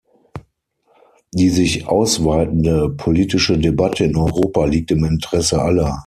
Die sich ausweitende politische Debatte in Europa liegt im Interesse aller.